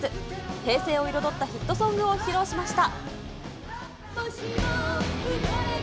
平静を彩ったヒットソングを披露しました。